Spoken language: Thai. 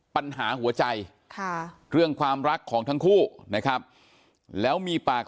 ปัญหาหัวใจค่ะเรื่องความรักของทั้งคู่นะครับแล้วมีปาก